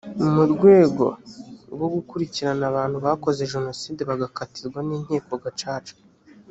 mu rwego rwo gukurikirana abantu bakoze jenoside bagakatirwa n inkiko gacaca